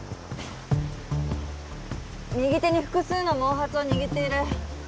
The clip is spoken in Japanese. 右手に複数の毛髪を握っている。